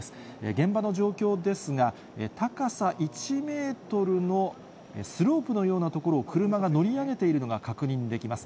現場の状況ですが、高さ１メートルのスロープのような所を車が乗り上げているのが確認できます。